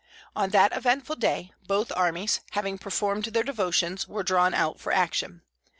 On that eventful day both armies, having performed their devotions, were drawn out for action.